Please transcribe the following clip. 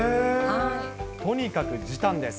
とにかく時短です。